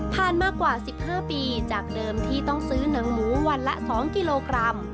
มากว่า๑๕ปีจากเดิมที่ต้องซื้อหนังหมูวันละ๒กิโลกรัม